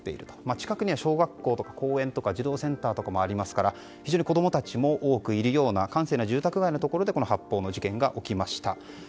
近くには小学校とか公園とか児童センターとかもありますから非常に子供たちも多くいるような閑静な住宅街のところで発砲事件が起きました。